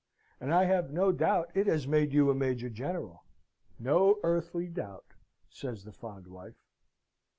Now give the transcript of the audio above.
And I have no doubt it has made you a major general no earthly doubt," says the fond wife.